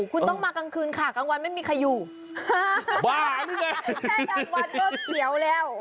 คุณต้องมากลางคืนค่ะกลางวันไม่มีใครอยู่แค่กลางวันก็เขียวแล้ว